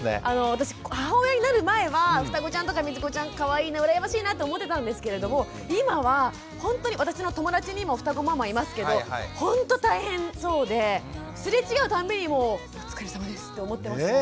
私母親になる前はふたごちゃんとかみつごちゃんかわいいな羨ましいなと思ってたんですけれども今はほんとに私の友達にもふたごママいますけどほんと大変そうですれ違うたんびにもうお疲れさまですって思ってますもん。